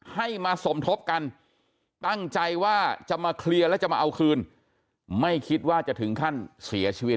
ให้มาสมทบกันตั้งใจว่าจะมาเคลียร์แล้วจะมาเอาคืนไม่คิดว่าจะถึงขั้นเสียชีวิต